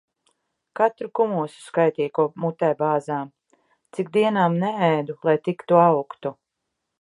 Katru kumosu skaitīja, ko mutē bāzām. Cik dienām neēdu, lai tik tu augtu.